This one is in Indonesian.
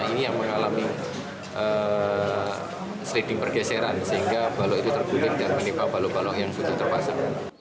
ini yang mengalami sleeding pergeseran sehingga balok itu tergulir dan menimpa balok balok yang sudah terpasang